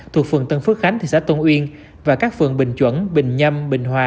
thuộc phường tân phước khánh thị xã tân uyên và các phường bình chuẩn bình nhâm bình hòa